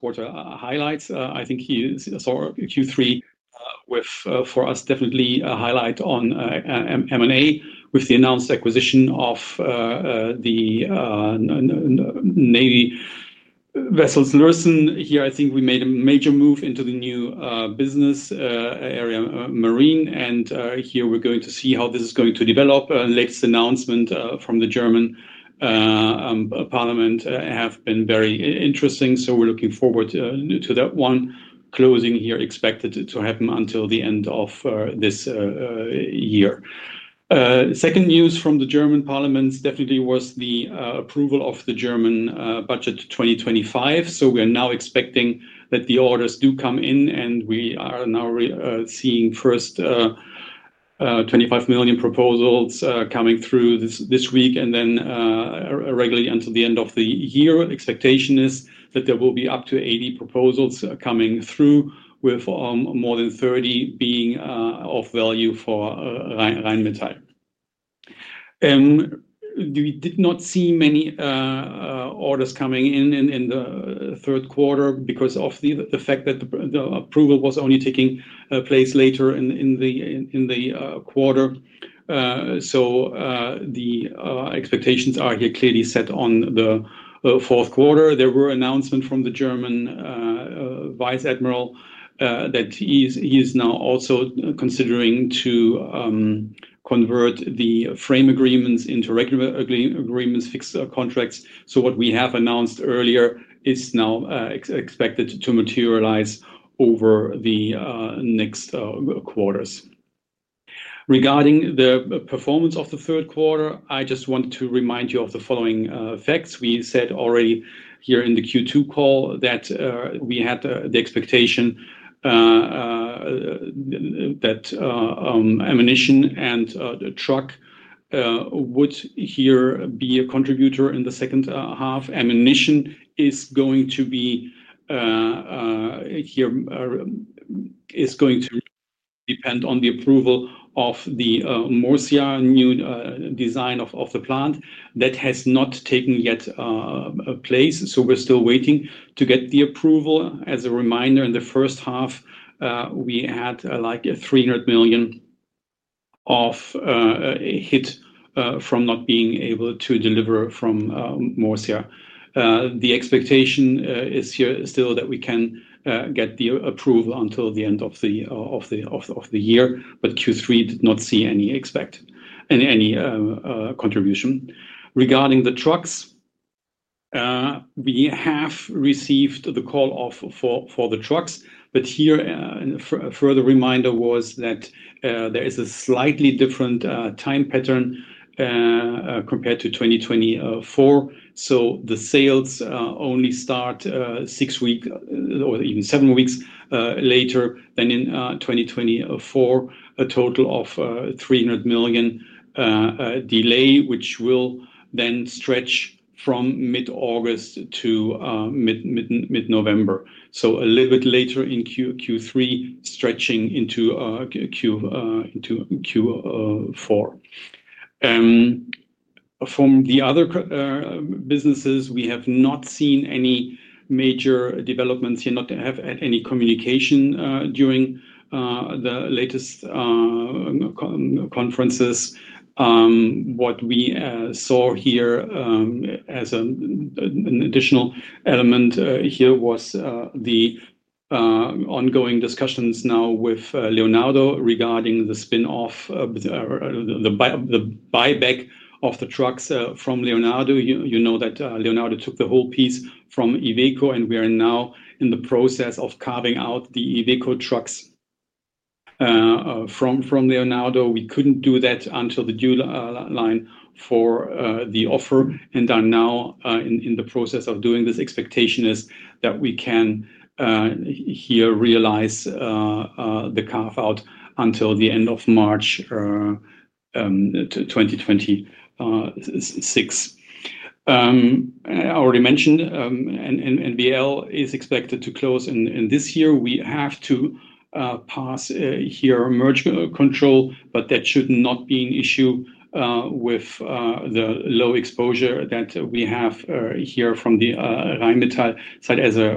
Quarter highlights. I think here's for Q3, for us definitely a highlight on M&A with the announced acquisition of the Navy vessels Lürssen. I think we made a major move into the new business area, marine. We're going to see how this is going to develop. The latest announcement from the German Parliament has been very interesting. We're looking forward to that one. Closing here expected to happen until the end of this year. Second news from the German Parliament definitely was the approval of the German budget 2025. We are now expecting that the orders do come in and we are now seeing first, $25 million proposals coming through this week and then, regularly until the end of the year. Expectation is that there will be up to 80 proposals coming through with more than 30 being of value for Rheinmetall. We did not see many orders coming in in the third quarter because of the fact that the approval was only taking place later in the quarter. The expectations are here clearly set on the fourth quarter. There were announcements from the German Vice Admiral that he is now also considering to convert the frame agreements into regular agreements, fixed contracts. What we have announced earlier is now expected to materialize over the next quarters. Regarding the performance of the third quarter, I just wanted to remind you of the following facts. We said already here in the Q2 call that we had the expectation that ammunition and truck would here be a contributor in the second half. Ammunition is going to depend on the approval of the Murcia new design of the plant. That has not taken yet place. We're still waiting to get the approval. As a reminder, in the first half, we had like $300 million of hit from not being able to deliver from Murcia. The expectation is here still that we can get the approval until the end of the year. Q3 did not see any expected contribution. Regarding the trucks, we have received the call off for the trucks. A further reminder was that there is a slightly different time pattern compared to 2024. The sales only start six weeks or even seven weeks later than in 2024. A total of $300 million delay, which will then stretch from mid-August to mid-November. A little bit later in Q3, stretching into Q4. From the other businesses, we have not seen any major developments here, nor have had any communication during the latest conferences. What we saw here as an additional element was the ongoing discussions now with Leonardo regarding the spin-off, the buyback of the trucks from Leonardo. You know that Leonardo took the whole piece from Iveco and we are now in the process of carving out the Iveco trucks from Leonardo. We couldn't do that until the due line for the offer and are now in the process of doing this. Expectation is that we can realize the carve-out until the end of March 2026. I already mentioned, NBL is expected to close in this year. We have to pass merger control, but that should not be an issue with the low exposure that we have from the Rheinmetall side as a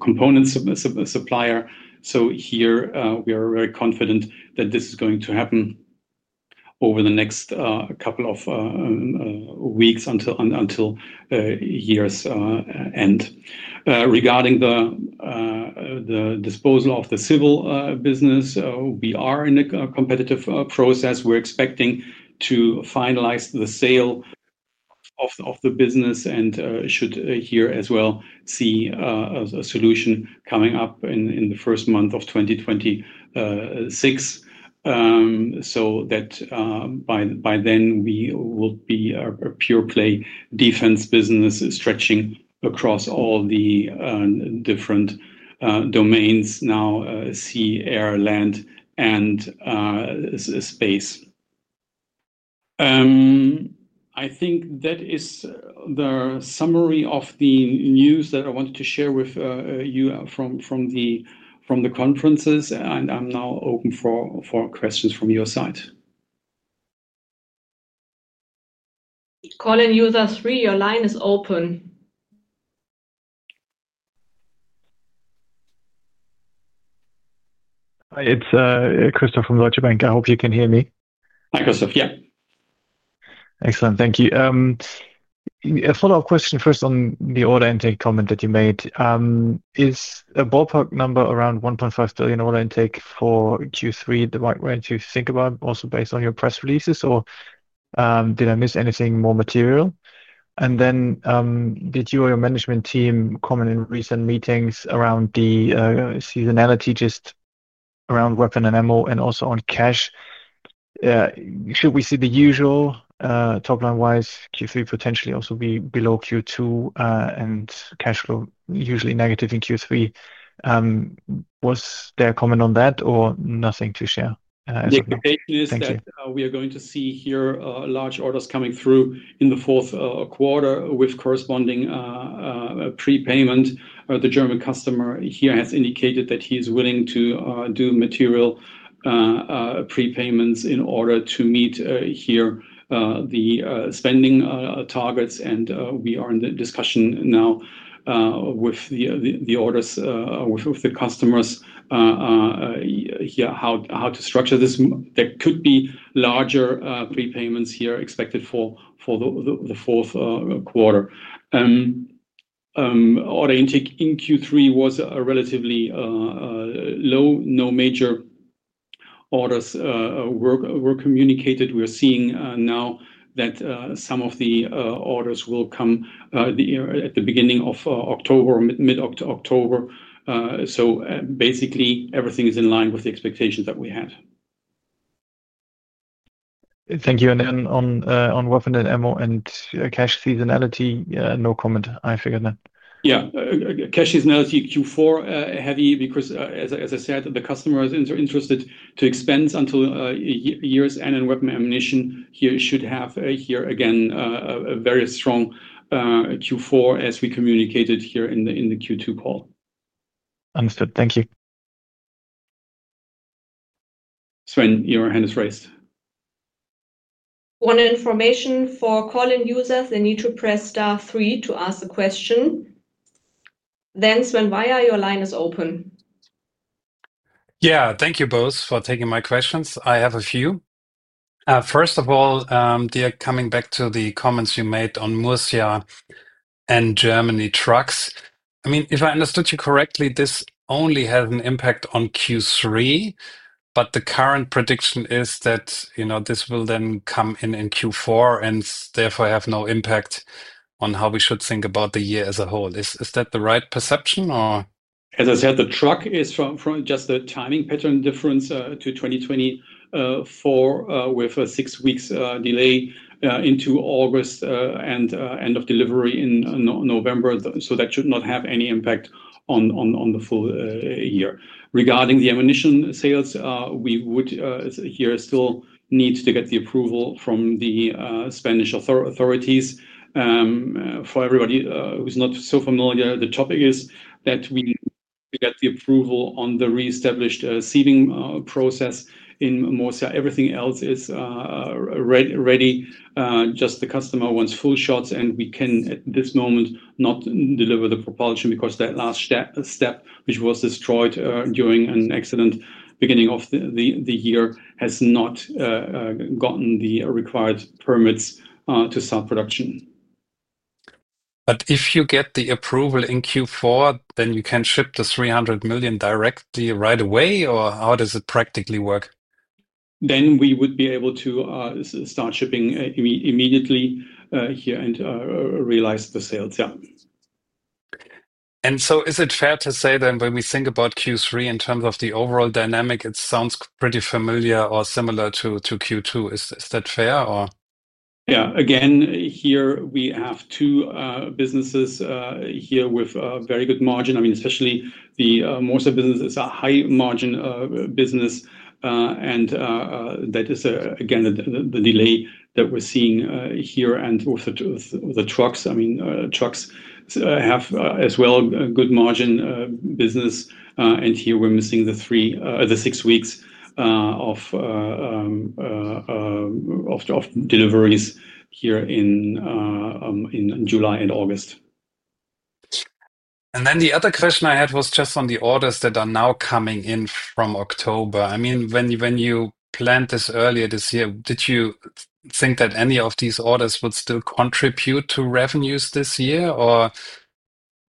component supplier. We are very confident that this is going to happen over the next couple of weeks until year's end. Regarding the disposal of the civil business, we are in a competitive process. We're expecting to finalize the sale of the business and should as well see a solution coming up in the first month of 2026. By then we will be a pure-play defense business stretching across all the different domains now, sea, air, land, and space. I think that is the summary of the news that I wanted to share with you from the conferences. I'm now open for questions from your side. Colin, you are three. Your line is open. Hi, it's Christoph Laskawi from Deutsche Bank. I hope you can hear me. Hi, Christoph. Yeah. Excellent. Thank you. A follow-up question first on the order intake comment that you made. Is a ballpark number around €1.5 billion order intake for Q3 the right range to think about, also based on your press releases, or did I miss anything more material? Did you or your management team comment in recent meetings around the seasonality just around weapons and ammunition and also on cash? Should we see the usual, top line-wise, Q3 potentially also be below Q2, and cash flow usually negative in Q3? Was there a comment on that or nothing to share? The expectation is that we are going to see here large orders coming through in the fourth quarter with corresponding prepayment. The German customer here has indicated that he is willing to do material prepayments in order to meet here the spending targets. We are in the discussion now with the orders, with the customers here, how to structure this. There could be larger prepayments here expected for the fourth quarter. Order intake in Q3 was relatively low. No major orders were communicated. We are seeing now that some of the orders will come at the beginning of October, mid-October. Basically, everything is in line with the expectations that we had. Thank you. On weapon and ammunition and cash seasonality, no comment, I figured that. Yeah. Cash seasonality Q4 heavy because, as I said, the customers are interested to expense until year-end. In weapons ammunition, here should have here again, a very strong Q4 as we communicated here in the Q2 call. Understood. Thank you. Your hand is raised. One information for call-in users: they need to press star three to ask a question. Sven Weier, your line open. Thank you both for taking my questions. I have a few. First of all, coming back to the comments you made on Murcia and Germany trucks, if I understood you correctly, this only has an impact on Q3, but the current prediction is that this will then come in in Q4 and therefore have no impact on how we should think about the year as a whole. Is that the right perception or? As I said, the truck is from just the timing pattern difference to 2024, with a six weeks delay into August, and end of delivery in November. That should not have any impact on the full year. Regarding the ammunition sales, we would here still need to get the approval from the Spanish authorities. For everybody who's not so familiar, the topic is that we need to get the approval on the reestablished receiving process in Murcia. Everything else is ready, just the customer wants full shots, and we can, at this moment, not deliver the propulsion because that last step, which was destroyed during an accident beginning of the year, has not gotten the required permits to start production. If you get the approval in Q4, can you ship the $300 million directly right away, or how does it practically work? We would be able to start shipping immediately here and realize the sales. Yeah. Is it fair to say when we think about Q3 in terms of the overall dynamic, it sounds pretty familiar or similar to Q2? Is that fair? Yeah. Here we have two businesses with a very good margin. I mean, especially the Murcia business is a high margin business, and that is the delay that we're seeing here and also the trucks. I mean, trucks have as well a good margin business, and here we're missing the three to six weeks of deliveries here in July and August. The other question I had was just on the orders that are now coming in from October. I mean, when you planned this earlier this year, did you think that any of these orders would still contribute to revenues this year, or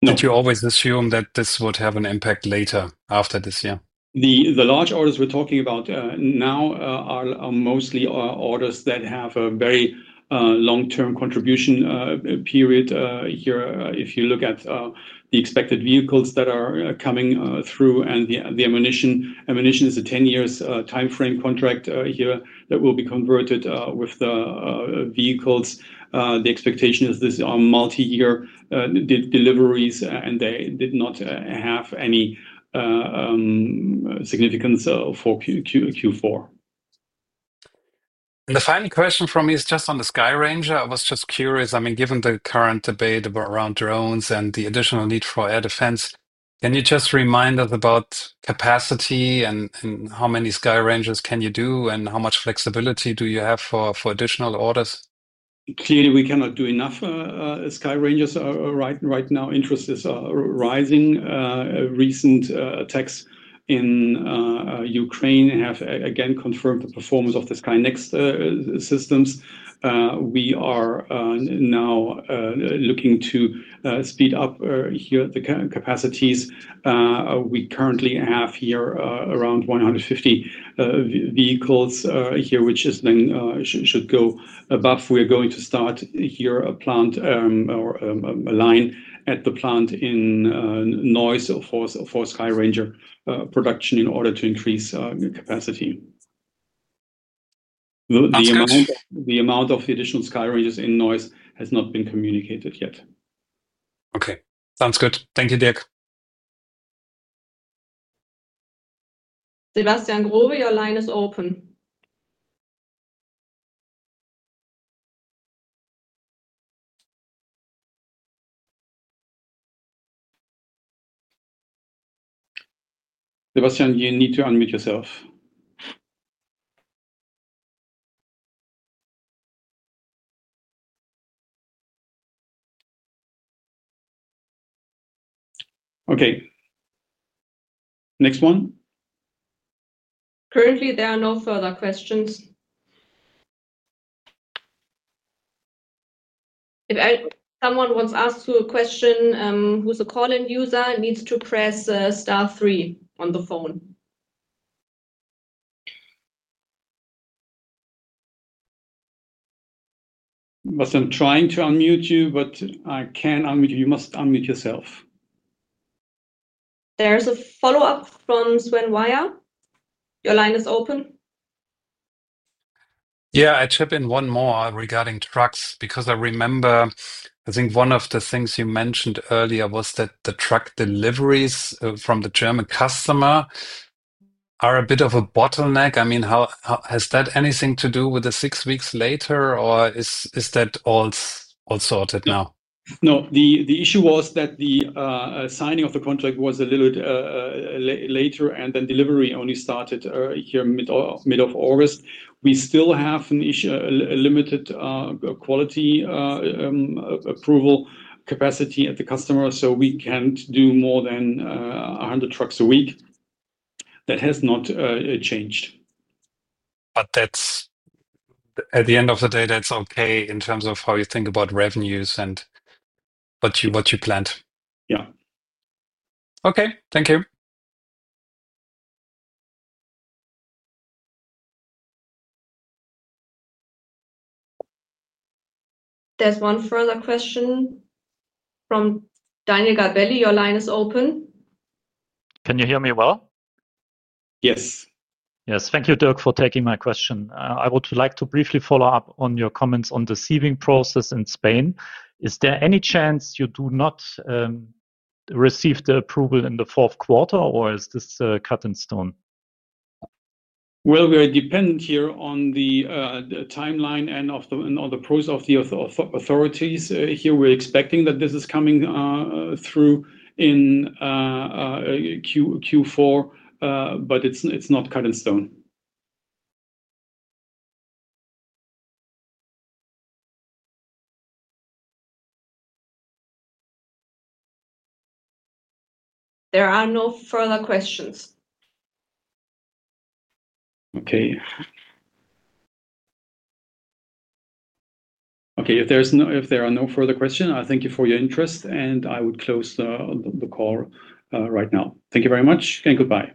did you always assume that this would have an impact later after this year? The large orders we're talking about now are mostly orders that have a very long-term contribution period here. If you look at the expected vehicles that are coming through and the ammunition, ammunition is a 10-year timeframe contract here that will be converted with the vehicles. The expectation is these are multi-year deliveries, and they did not have any significance for Q4. The final question for me is just on the Skyranger. I was just curious, I mean, given the current debate around drones and the additional need for air defense, can you just remind us about capacity and how many Skyrangers you can do and how much flexibility you have for additional orders? Clearly, we cannot do enough Skyrangers. Right now, interest is rising. Recent attacks in Ukraine have again confirmed the performance of the Skyranger systems. We are now looking to speed up the capacities. We currently have around 150 vehicles, which then should go above. We are going to start a plant or a line at the plant in Neuss for Skyranger production in order to increase capacity. The amount of the additional Skyrangers in Neuss has not been communicated yet. Okay. Sounds good. Thank you, Dag. Sebastian Grobe, your line is open. Sebastian, you need to unmute yourself. Okay, next one. Currently, there are no further questions. If someone wants to ask a question, who's a call-in user, needs to press star three on the phone. Because I'm trying to unmute you, but I can't unmute you. You must unmute yourself. There's a follow-up from Sven Weier. Your line is open. Yeah, I'd hop in one more regarding trucks because I remember, I think one of the things you mentioned earlier was that the truck deliveries from the German customer are a bit of a bottleneck. I mean, does that have anything to do with the six weeks later, or is that all sorted now? No. The issue was that the signing of the contract was a little bit later, and then delivery only started here mid of August. We still have an issue, a limited quality approval capacity at the customer, so we can't do more than 100 trucks a week. That has not changed. At the end of the day, that's okay in terms of how you think about revenues and what you planned. Yeah. Okay, thank you. There's one further question from Daniel, Gabelli. Your line is open. Can you hear me well? Yes. Yes. Thank you, Dag, for taking my question. I would like to briefly follow up on your comments on the receiving process in Spain. Is there any chance you do not receive the approval in the fourth quarter, or is this cut in stone? We are dependent here on the timeline and on the process of the authorities. Here we're expecting that this is coming through in Q4, but it's not cut in stone. There are no further questions. Okay. If there are no further questions, I thank you for your interest, and I would close the call right now. Thank you very much, and goodbye.